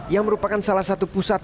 yang merupakan salah satu pusat